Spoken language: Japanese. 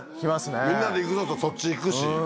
みんなで行くぞってそっち行くし。